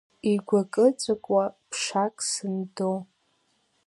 Игәыкы-ҵәыкуа ԥшак сындо.